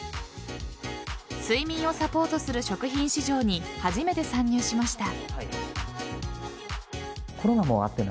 睡眠をサポートする食品市場に初めて参入しました。